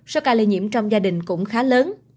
so với lây nhiễm trong gia đình cũng khá lớn